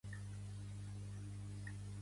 Per què estan sent interrogats, llavors?